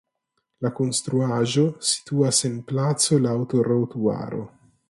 La konstruaĵo situas en placo laŭ trotuaro.